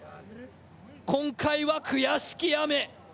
今回は悔しき雨。